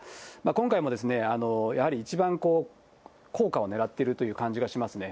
今回もやはり一番効果を狙っているという感じがしますね。